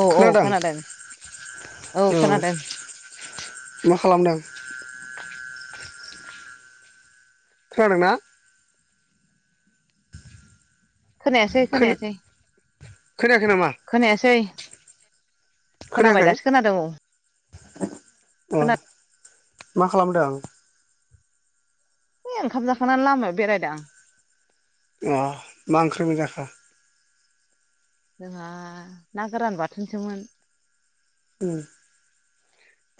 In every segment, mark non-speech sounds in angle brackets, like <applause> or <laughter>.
औ औ खोनादों औ खोनादों मा खालामदों? खोनादोंना? खोनायासै खोना खोनायासै खोनायाखै नामा खोनायासै खोनाबाय खोनायाखै दासो खोनादों औ अ खोना मा खालामदों? है ओंखाम जाखांनानै लामायाव बेरायदों आं मा ओंख्रि मोनजाखो जोंहा ना गोरान बाथोनसोमोन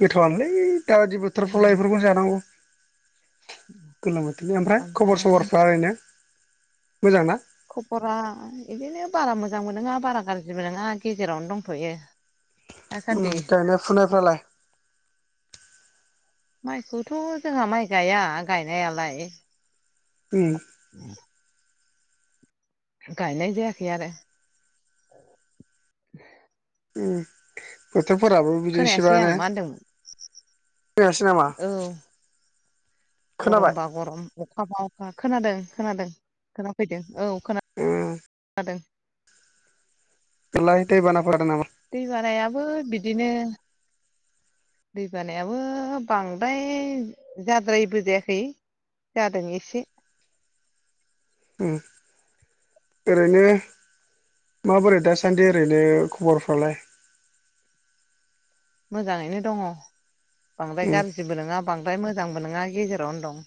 गोथावयानोलै दा बादि बोथोरफ्रावलाय बेफोरखौनो जानांगौ गोलोम बोथोरनि ओमफ्राय खबर सबरफ्रा ओरैनो मोजां ना खबरा बिदिनो बारा मोजांबो नङा बारा गाज्रिबो नङा गेजेरावनो दंथ'यो उम दासान्दि गायनाय फुनायफ्रालाय माइखौथ' जोंहा माइ गाया गायनायालाय ओम ए <unintelligible> गायनाय जायाखै आरो उम उम बोथोफोराबो बिदिनोसै बा खोनायासै आं ने मा होनदोंमोन फैयासै नामा औ खोनाबाय गरमबा गरम अखा बा अखा खोनादों खोनादों खोनाफैदों औ खोना उम खोनादों बेथिंलाय दैबाना फैदों नामा दै बारायाबो बिदिनो दै बानायाबो बांद्राय जाद्रायैबो जायाखै जादों एसे औ ओरैनो माबोरै दासानदि ओरैनो खबरफ्रालाय <inaudible> मोजाङैनो दङ बांद्राय उम गाज्रिबो नङा बांद्राय मोजांबो नङा गेजेरावनो दं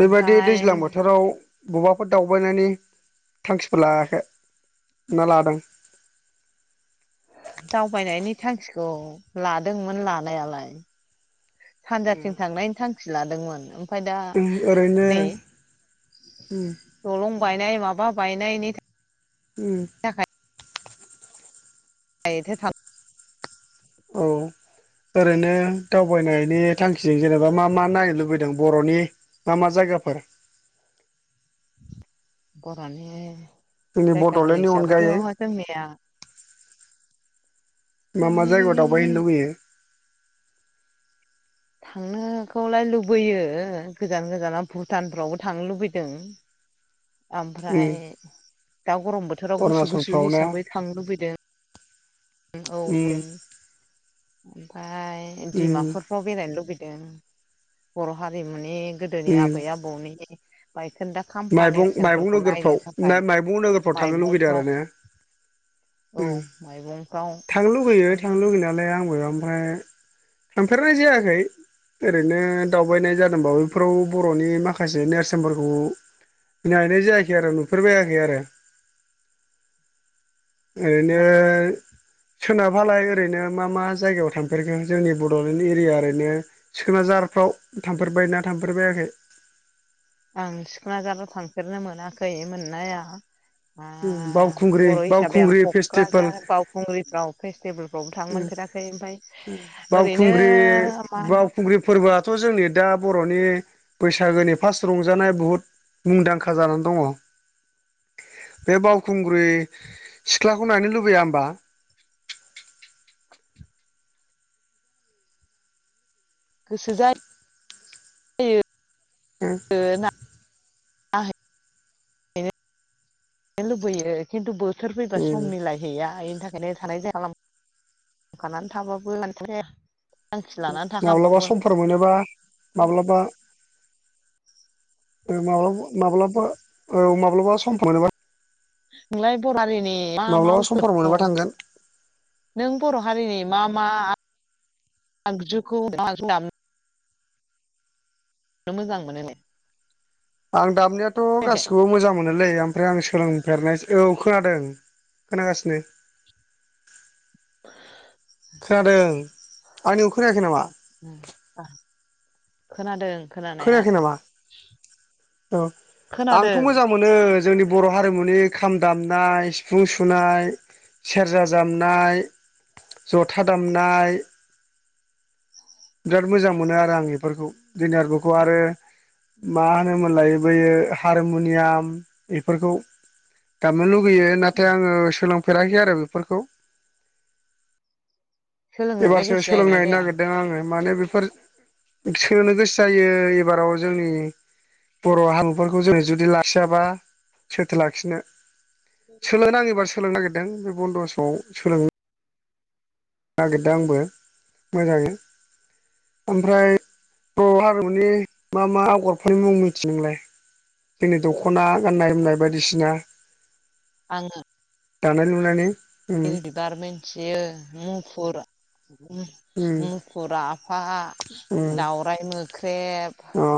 बेबायदि ओमफ्राय दैज्लां बोथोराव बबेबाफोर दावबायनायनि थांखिफोर लायाखै ना लादों <inaudible> दावबायनायनि थांखिखौ लादोंमोन लानायालाय सानजाथिं थांनायनि थांखि लादोंमोन ओमफ्राय दा ओरैनो नै दलं बायनाय माबा बायनायनि थाखाय ओ दि <unintelligible> थां <unintelligible> औ ओरैनो दावबायनायनि थांखिजों जेनेबा मा मा नायनो लुबैदों बर'नि मा मा जायगाफोर बर'नि जोंनि जायगाफोर बड'लेण्डनि हिसाबैथ' अनगायै जोंनिया मा मा जायगायाव दावबाय जोंनि हैनो लुबैयो थांनोखौलाय लुबैयो गोजान गोजानाव भुटानफ्रावबो थांनो लुबैदों ओमफ्राय दा गरम बोथोराव गुसु गुसु अरुणाचलफ्राव ना हिसाबै थांनो लुबैदों औ बे ओमफ्राय डिमापुरफ्राव बेरायनो लुबैदों बर' हारिमुनि गोदोनि आबै आबौनि बाय माइबं माइबं नोगोरफ्राव थाखाय माइबं नोगोरफ्राव थांनो लुुबैदों माइबंफ्राव आरो ने? औ माइबं थांनो लुुबैयो थांनो लुुबैयो नालाय आंबो ओमफ्राय थांफेरनाय जायाखै ओरैनो दावबायनाय जादोंबाबो बेफोराव बर'नि माखासे नेरसोनफोरखौ नायनाय जायाखै आरो नुफेरबायाखै आरो ओरैनो नायनो सोनाबहालाय ओरैनो मा मा जायगायाव थांफेरखो जोंनि बड'लेण्ड एरिया ओरैनो सिखोन जाहार फाव थामफेरबायना थामफेरबायाखै आं सिखोनाझाराव थांफेरनो मोनाखै मोननाया बावखुंग्रि बर' हिसाबै आं बावखुंग्रि फेस्टिभेल क'क्राझार बावखुंग्रिफ्राव फेस्टिभेल वबो थांनो मोनफेराखै ओमफ्राय ओरैनो बावखुंग्रि मा होनो बावखुंग्रि फोरबोआथ' जोंनि दा बर'नि बैसागोनि फार्स्त रंजानाया बुहुत मुंदांखा जानानै दङ बे बावखुंग्रि सिख्लाखौ नायनो लुबैया होमबा गोसो जायो ओ ना <unintelligible> लुबैयो खिन्थु बोथोर फैबा सम उम मिलायहैया बेनि थाखाय <unintelligible> माब्लाबा समफोर मोनोबा माब्लाबा माब्लाबा माब्लाबा औ माब्लाबा सम मोनोबा नोंलाय ब माब्लाबा समफोर मोनोबा <unintelligible> थांगोन नों बर' हारिनि मा मा आगजुखौ मोजां मोनो आं दामनायाथ' खोनायाखै गासिखौबो मोजां मोनोलै ओमफ्राय आं सोलोंफेरनायसै औ खोनादों खोनागासिनो खोनादों आंनि खोनादों खोनानाया खोनायाखै नामा औ खोनादों आंथ' मोजां मोनो जोंनि बर' हारिमुनि खाम दामनाय सिफुं सुनाय सेरजा दामनाय जथा दामनाय बिराद मोजां मोनो आरो आं बेफोरखौ नारफोरखौ आरो मा होनोमोनलाय बैयो हारमुनियाम बेफोरखौ दामनो लुबो लैयो नाथाय आङो सोलोंफेराखै आरो बेफोरखौ सोलोंनोलाय एबारसो गोसो जायोना सोलोंनो जाया नागिरदों आङो माने बेफोर सोनो गोसो जायो एबाराव जोंनि बर' हारिमुफोरखौ जोङो जुदि लाखियाबा सोथो लाखिनो सोलोंनो नाङै एबार सोलोंनो नागिरदों बे बन्द' समाव सोलों नागिरदों आंबो मोजाङै ओमफ्राय बर' हारिमुनि मा मा आगरफोरनि मुं मिथियो नोंलाय जोंनि दख'ना गाननाय जोमनाय बायदिसिना आंङो दानाय लुनायनि उम बिदि बिबार मिथियो मुफुर उम मुफुर आफा उम दावराइ मोख्रेब अ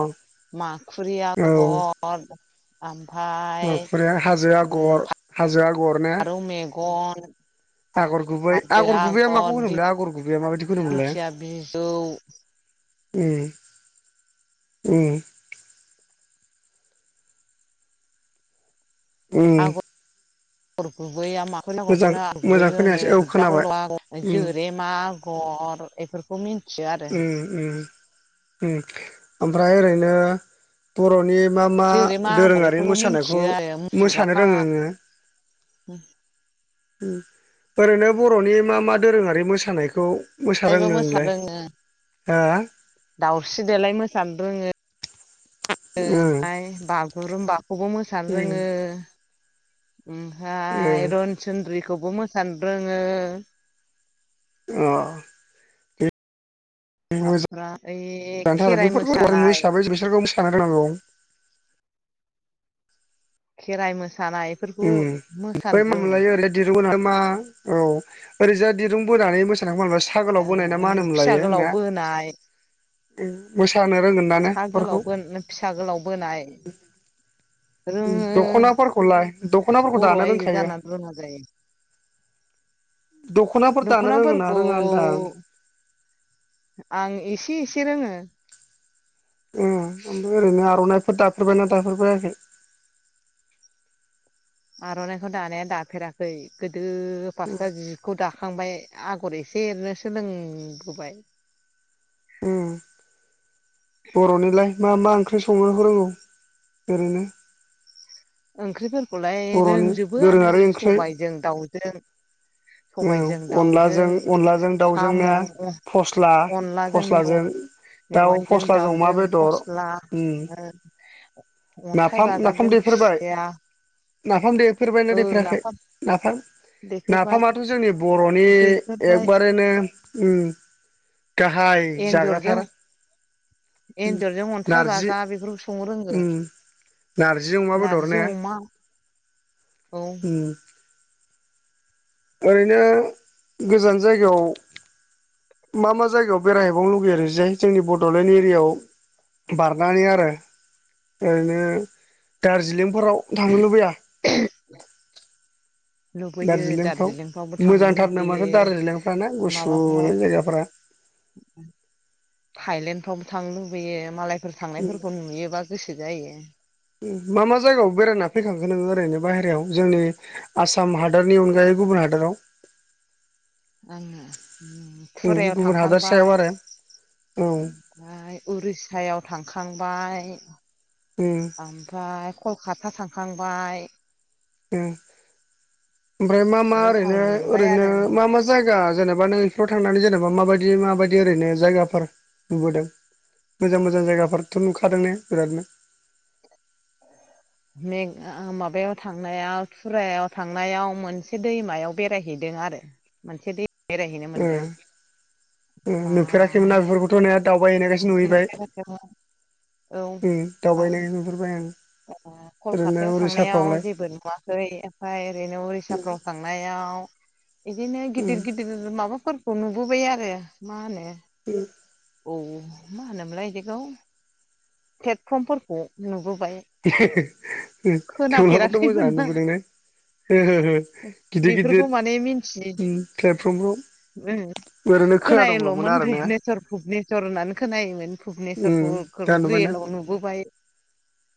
माखुरिया आगर आ ओमफ्राय हाजो आगर हाजो आग फारौ मेगन आगर गुबै आगर गुबैया माखौ होनोमलाय आगर गुबै बे माबायदिखौ मोनलाय दिंखिया बिजौ उ उ उ आगर आगर गु गुबैया माखौनो गरखौनो आरो मोजां गुबैबो खोनायासै औ खोनाबाय होनो उम <unintelligible> बेफोरखौ मि ओ ओ ओ ओमफ्राय ओरैनो बर'नि मा मा जोरेमा आगर दोरोङारि बेफोरखौ मोसानायखौ मिथियो आरो मुफुर मोसानो आफा रोङो नोङो? <inaudible> ओरैनो बर'नि मा मा दोरोङारि मोसानायखौ मोसारोङो मोसानो नोंलाय रोङो हा उम आङोहाय बागुरुम्बाखौबो मोसानो उम रोङो ओमफ्राय रनसन्द्रिखौबो मोसानो रोङो अह ओमफ्राय ओइ मोजां थार खेराइ बेफोरखौ हारिमु मोसानाय हिसाबै बिसोरखौ <unintelligible> खेराइ मोसानाय बेफोरखौ उम बै मोसानो रोङो मामोनलायो ओरै दिरुं बोना मा औ ओरैजा दिरुं बोनानै मोसा बा सागोलाव बोनायना मा रोङो होनोमोन फिसा लायो गोलाव ना बोनाय मोसानो रोंगोन ना ने सा गोलाव बेफोरखौ फिसा गोलाव बोनाय रोङो दख'नाफोरखौलाय दख'नाफोरखौ बर' दानो आइजो रोंखायो जानानै रोङा जायो दख'नाफोर दानो रोङो ना दख'नाफोरखौ रोङा होनदां आं एसे एसे से रोङो ए ओमफ्राय ओरैनो आर'नाइफोर दाफेरबायना दाफेरबायाखै <inaudible> आर'नाइखौ दानाया दाफेराखै गोदो फास्रा जिखौ दाखां खांबाय आगर एसे एरनो सोलोंबोबाय ओम ओंख्रि संनोखौ रोंगौ ओरैनो ओंख्रिफोरखौलाय बर'नि रोंजोबोआनो दोरोङारि ओंख्रि सबायजों दाउजों औ सबायजों दाउजों अनलाजों अनलाजों साम' दाउजोंनो फस्ला अनलाजों मेवा फस्लाजों दाउ मेवाइजों फस्लाजों अमा दाउजों बेदर फस्ला उम अन्थाइ नाफाम बाजाबजों खुसिया नाफाम देफेरबाय ना ओं देफेराखै नाफाम नाफाम देफेरबाय नाफामाथ' जोंनि बर'नि देफेरबाय एकबारैनो गाहाय एन्जरजों जाग्रााथार एन्जरजों अन्थाइ बाजाब बेफोरखौ संनो रोंङो नारजिजों अमा बेदर ने औ ओरैनो गोजान जायगायाव मा मा जायगायाव बेरायहैबावनो लुगैयो ओरैजाय जोंनि बड'लेण्ड एरियायाव बारनानै आरो ओरैनो दार्जिलिं फोराव थांनो लुबैया लुबैयो दार्जिलिंफ्राव दार्जिलिंफ्रावबो थांनो मोजांथार नामाथ' लुबैयो दार्जिलिं फ्राना गुसु जायगाफ्रा थाइलेण्डफ्राव थांनो लुबैयो मालायफोर थांनायफोरखौ नुयोबा गोसो जायो मा मा जायगायाव बेरायना फैखांखो नोङो ओरैनो बायहेरायाव जोंनि आसाम हादोरनि अनगायै गुबुन हादोराव आङो थुरायाव गुबुन हादर सायाव थांखांबाय आरो औ ओमफ्राय उरिस्सायाव थांखांबाय उम ओमफ्राय कलकाता थांखांबाय ओ ओमफ्राय मा मा बेफोराव ओरैनो थांबाय ओरैनो आरो मा मा जायगा जेनेबा नों इफोराव थांनानै जेनेबा माबायदि माबायदि ओरैनो जायगाफोर नुबोदों मोजां मोजां जायगाफोरथ' नुखादों ने बिरादनो <inaudible> मेग माबायाव थांनायाव टुरायाव थांनायाव मोनसे दैमायाव बेरायहैदों आरो मोनसे दै बेरायहैनो ओ मोनदों ओ नुफेराखैमोना ओमफ्राय बेफोरखौथ' नाया दाउ दावबायहैनायखायसो नुहैबाय औ ओ दावबायनायखायसो नुहुरबाय आं अमा ओरैनो कलकातायाव थांनायाव उरिसाफ्रावलाय जेबो नुवाखै ओमफाय ओरैनो उरिसाफ्राव थांनायाव बिदिनो उम गिदिर गिदिर माबाफोरखौ नुबोबाय आरो मा होनो <unintelligible> औ मा होनोमोनलाय बिदिखौ प्लेटफर्मफोरखौ नुबोबाय <unintelligible> थेवब्लाबोथ' मोजाङानो खोनाफेराखैमोनना नुबोदों ने <unintelligible> गिदिर बेफोरखौ गिदिर माने मिन्थि प्लेटफर्मफ्राव ओरैनो खोनादोंल'मोन खोनायोल'मोन आरोना भुनेस्वर भुनेस्वर होननानै खोनायोमोन उम भुनेस्वरखौ दा नुबायना रियेलाव नुबोबाय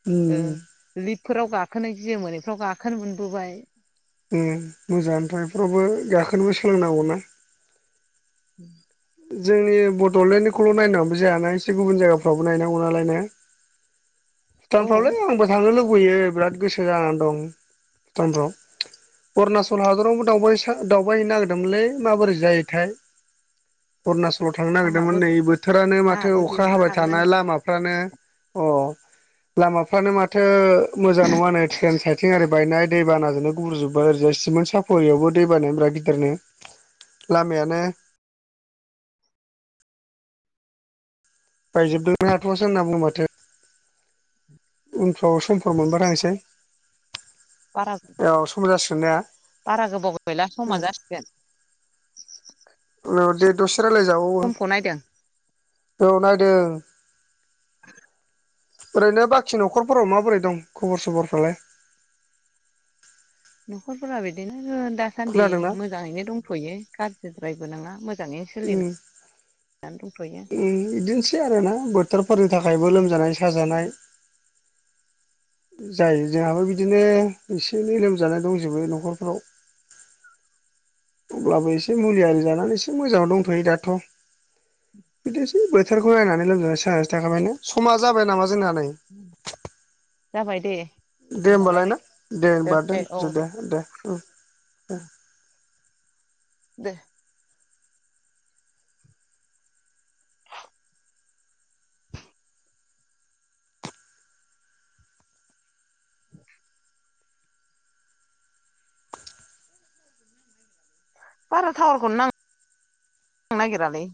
उम ओ लिफफोराव गाखोनो गियोमोन एफ्राव गाखोनो मोनबोबाय ओ मोजाङानोथ' बेफोरावबो गाखोनोबो सोलोंनांगौना जोंनि बड'लेण्डनिखौल' नायनाबो जायाना एसे गुबुन जायगाफ्रावबो नायनांगौ नालाय ने <inaudible> औ भुटानफ्रावलाय आंबो थांनो लुबैयो बिराद गोसो जानानै दं भुटानफ्राव अरुणाचल हादरावबो दाव-दावबायहैैनो नागिरदोंमोनलै माबोरै जायोथाय <inaudible> अरुणाचलाव थांनो नागिरदोंमोन आंहाबो नै बोथोरानो माथो आंहाबो अखा बेहाय हाबाय थांनो थानाय लामाफ्रानो अ लामाफ्रानो माथो मोजां नङा नै ट्रेन साइथिं ओरै बायनाय दै बानाजोंनो गुब्रुजोब्बाय ओरैजाय सिमेन सापरियावबो दै बानाया बिराद गिदिरनो लामायानो बायजोबदोंनो <unintelligible> हाथ'वासो होनना बुंदों माथो उनफ्राव समफोर मोनबा थांसै बारा औ सम जासिगोन ने बारा गोबाव गैला समा जासिगोन औ दे दसे रायलाय जाबावो समखौ नायदों औ नायदों ओरैनो बाखि नखरफोराव माबोरै दं खबर सबरफ्रालाय नखरफोरा बिदिनो दासान्दि खोनादोंना मोजाङैनो दंथ'यो गाज्रिद्रायबो नङा मोजां मोजाङैनो सोलिला ओ बिदिनोसै आरो ना बोथोरफोरनि थाखायबो लोमजानाय साजानाय <inaudible> जायो जोंहाबो बिदिनो एसे एनै लोमजानाय दंजोबो नखरफ्राव <inaudible> अब्लाबो एसे मुलि आरि जानानै एसे मोजाङाव दंथ'यो दाथ' बिदिनोसै बोथोरखौ नायनानै लोमजानाय साजानायसो थाखाबाय ना समा जाबाय नामा जोंना नै जाबाय दे दे होनबालाय होमबालाय ना दे होमबा दोनसै औ दोनथ'सै दे दे ओ दे दे <inaudible> बारा टावारखौनो नांनो नागिरालै